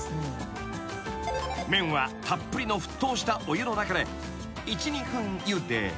［麺はたっぷりの沸騰したお湯の中で１２分ゆで］